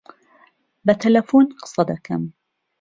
بە تەلەفۆن قسە دەکەم.